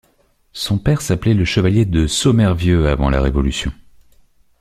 Son père s’appelait le chevalier de Sommervieux avant la révolution.